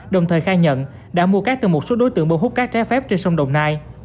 đồng thời khai nhận đã mua cát từ một số đối tượng bô hút cát trái phép trên sông đồng nai